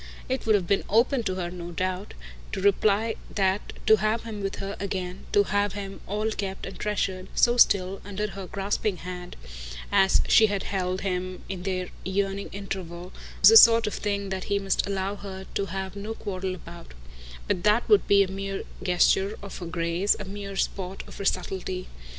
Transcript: It would have been open to her, no doubt, to reply that to have him with her again, to have him all kept and treasured, so still, under her grasping hand, as she had held him in their yearning interval, was a sort of thing that he must allow her to have no quarrel about; but that would be a mere gesture of her grace, a mere sport of her subtlety.